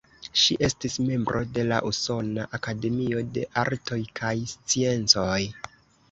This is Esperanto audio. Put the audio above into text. Ŝi estis membro de la Usona Akademio de Artoj kaj Sciencoj.